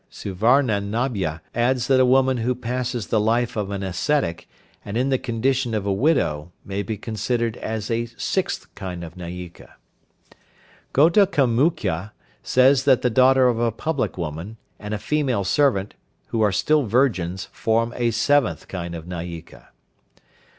Suvarnanabha adds that a woman who passes the life of an ascetic and in the condition of a widow may be considered as a sixth kind of Nayika. Ghotakamukha says that the daughter of a public woman, and a female servant, who are still virgins, form a seventh kind of Nayika.